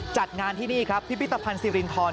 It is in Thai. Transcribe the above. จัดงานที่นี่ครับพิพิธภัณฑ์สิรินทร